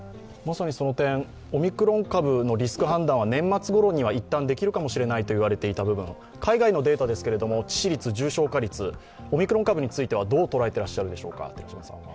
オミクロン株のリスク判断は年末ごろにはいったんできるかもしれないと言われていた部分海外のデータですが、致死率、重症化率、オミクロン株については、どう捉えていらっしゃいますか？